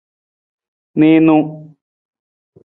Niinung.